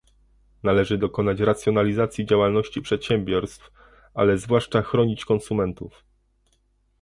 Należy dokonać racjonalizacji działalności przedsiębiorstw, ale zwłaszcza chronić konsumentów